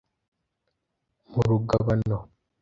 mu Rugabano